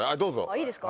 いいですか？